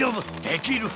できる！